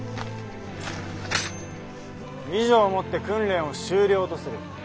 以上をもって訓練を終了とする！